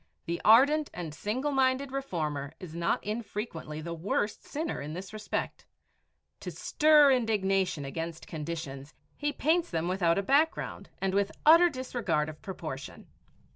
The ardent and single minded reformer is not infrequently the worst sinner in this respect. To stir indignation against conditions, he paints them without a background and with utter disregard of proportion.